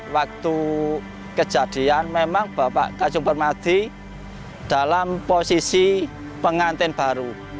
waktu kejadian memang bapak kasung permadi dalam posisi pengantin baru